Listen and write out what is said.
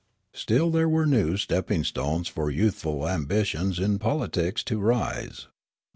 Still there were new stepping stones for youthful ambitions in politics to rise.